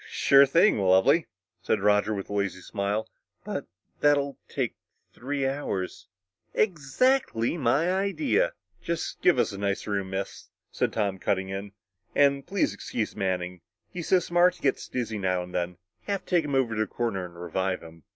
"Sure thing, Lovely!" said Roger with a lazy smile. "But but that would take three hours!" "Exactly my idea!" said Roger. "Just give us a nice room, Miss," said Tom, cutting in. "And please excuse Manning. He's so smart, he gets a little dizzy now and then. Have to take him over to a corner and revive him."